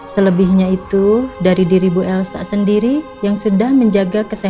selebihnya itu dari diri bu elsa sendiri yang sudah menjaga kesehatan